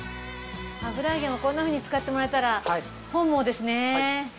油揚げもこんなふうに使ってもらえたら本望ですね。